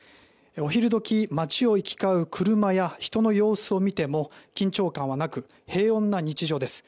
お昼時、街を行き交う車や人の様子を見ても緊張感はなく平穏な日常です。